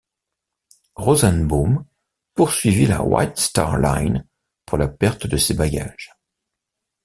Rosenbaum poursuivit la White Star Line, pour la perte de ses bagages.